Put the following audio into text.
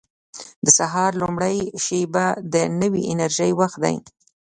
• د سهار لومړۍ شېبه د نوې انرژۍ وخت دی.